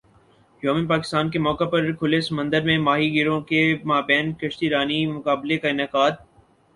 یوم پاکستان کے موقع پر کھلے سمندر میں ماہی گیروں کے مابین کشتی رانی مقابلے کا انعقاد